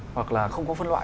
hoặc là không có phân loại